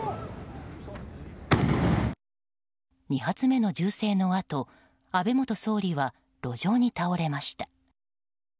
２発目の銃声の後安倍元総理は路上に倒れました。